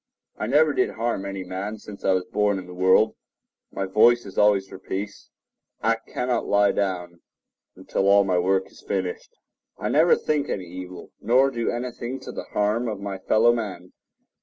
I never did harm any man since I was born in the world. My voice is always for peace. I cannot lie down until all my work is finished. I never think any evil, nor do anything to the harm of my fellowman.